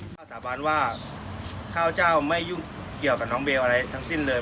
สาบานว่าข้าพเจ้าไม่ยุ่งเกี่ยวกับน้องเบลอะไรทั้งสิ้นเลย